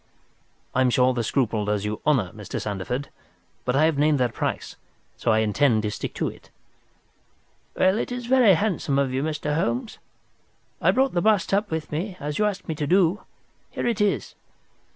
"I am sure the scruple does you honour, Mr. Sandeford. But I have named that price, so I intend to stick to it." "Well, it is very handsome of you, Mr. Holmes. I brought the bust up with me, as you asked me to do. Here it is!"